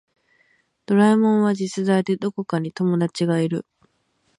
ドラえもんは実在でどこかに友達がいる